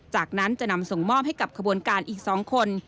จากนั้นจะนำส่งมอบให้กับขบวนการอีก๒คน